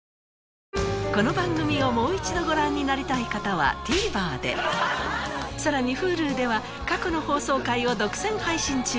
この番組をもう一度ご覧になりたい方はＴＶｅｒでさらにＨｕｌｕでは過去の放送回を独占配信中